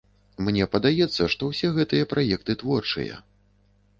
Мне падаецца, што ўсе гэтыя праекты творчыя.